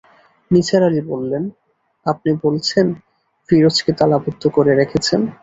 নিসার আলি বললেন, আপনি বলছেন, ফিরোজকে তালাবন্ধ করে রেখেছেন?